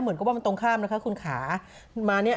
เหมือนกับว่ามันตรงข้ามนะคะคุณขามาเนี่ย